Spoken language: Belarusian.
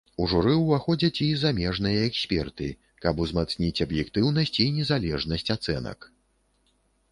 У журы ўваходзяць і замежныя эксперты, каб узмацніць аб'ектыўнасць і незалежнасць ацэнак.